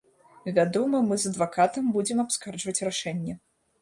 Вядома, мы з адвакатам будзем абскарджваць рашэнне.